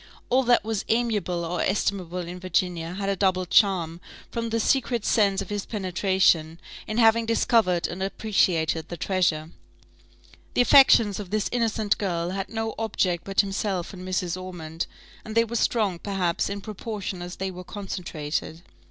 All that was amiable or estimable in Virginia had a double charm, from the secret sense of his penetration, in having discovered and appreciated the treasure. The affections of this innocent girl had no object but himself and Mrs. Ormond, and they were strong, perhaps, in proportion as they were concentrated.